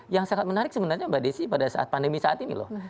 yang sangat menarik sebenarnya mbak desi pada saat pandemi saat ini loh